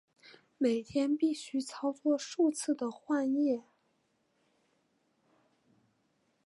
每天必须操作数次的换液。